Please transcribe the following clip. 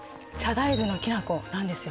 大豆のきな粉なんですよ